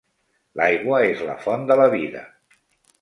L'aigua és la font de la vida.